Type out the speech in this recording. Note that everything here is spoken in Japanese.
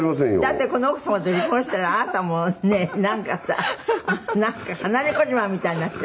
だってこの奥様と離婚したらあなたもうねなんかさなんか離れ小島みたいになっちゃうじゃないの。